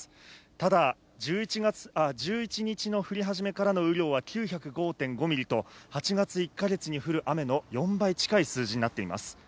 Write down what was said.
ただ、１１日の降り始めからの雨量は９０５．５ミリと、８月１か月に降る雨の４倍近い数字になっています。